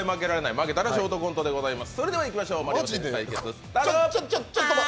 負けたらショートコントでございます。